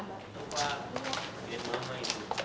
tunggu aku mau pergi ke rumah